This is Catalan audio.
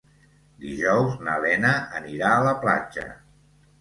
Dijous na Lena anirà a la platja.